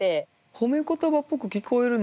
褒め言葉っぽく聞こえるねんけどな。